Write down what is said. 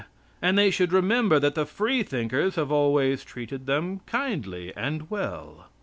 And they should remember that the Free Thinkers have always treated them kindly and well.